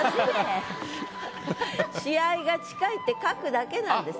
試合が近いって書くだけなんです。